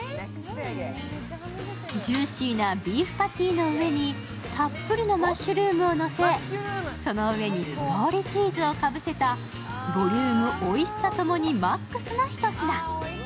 ジューシーなビーフパティの上にたっぷりのマッシュルームをのせその上にとろーりチーズをかぶせた、ボリュームおいしさ共にＭＡＸな一品。